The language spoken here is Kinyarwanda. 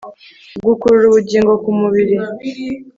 Gukurura ubugingo kumubiri